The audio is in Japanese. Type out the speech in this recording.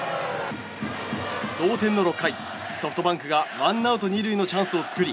同点の６回ソフトバンクがワンアウト２塁のチャンスを作り